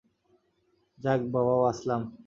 যাক বাবা বাঁচলাম।